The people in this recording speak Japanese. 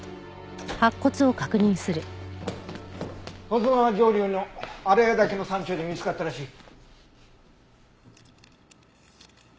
保津川上流の荒谷岳の山中で見つかったらしい。